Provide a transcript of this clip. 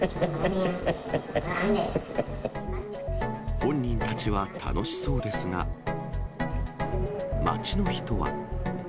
本人たちは楽しそうですが、街の人は。